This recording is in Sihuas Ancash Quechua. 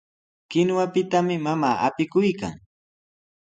Kinuwapitami mamaa apikuykan.